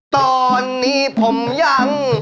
ตอนนี้ผมยัง